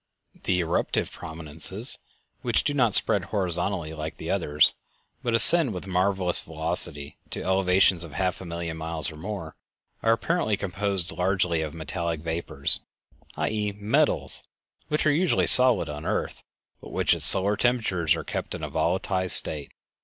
The eruptive prominences, which do not spread horizontally like the others, but ascend with marvelous velocity to elevations of half a million miles or more, are apparently composed largely of metallic vapors—i.e. metals which are usually solid on the earth, but which at solar temperatures are kept in a volatilized state.